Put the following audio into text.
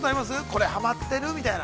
これハマってるみたいな。